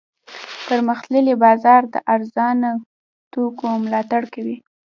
پرمختللی بازار د ارزانه توکو ملاتړ کوي.